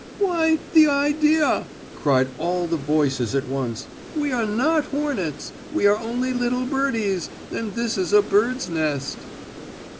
"Why, the idea!" cried all the voices at once. "We are not hornets, we are only little birdies, and this is a bird's nest."